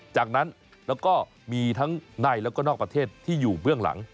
จากนั้นแล้วก็มีทั้งในแล้วก็นอกประเทศที่อยู่เบื้องหลัง